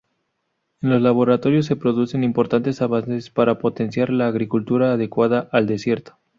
En los laboratorios se producen importantes avances para potenciar la agricultura adecuada al desierto.